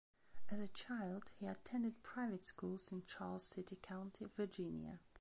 As a child, he attended private schools in Charles City County, Virginia.